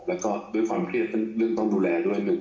เค้าด้วยความเครียดเป็นเรื่องต้องดูแลด้วยหนึ่ง